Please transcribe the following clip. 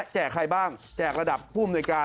แจกใครบ้างแจกระดับผู้มนุษยการ